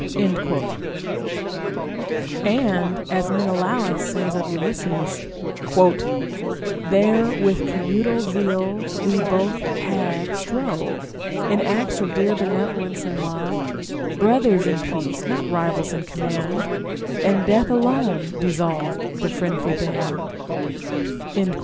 * And, as Menelaus says of Ulysses :— There with commutual zeal we both had strove In acts of dear benevolence and love, — Brothers in peace, not rivals in command, — And death alone dissolved the friendly band.